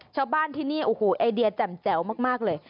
ชาวบ้านที่นี่โอ้โหไอเดียแจ่มแจ๋วมากเลย